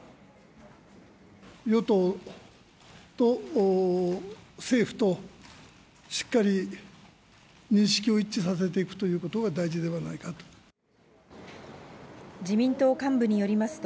与党と政府としっかり認識を一致させていくということが大事ではないかと。